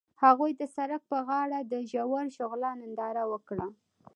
هغوی د سړک پر غاړه د ژور شعله ننداره وکړه.